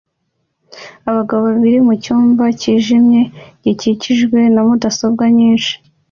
abagabo babiri mucyumba cyijimye gikikijwe na mudasobwa nyinshi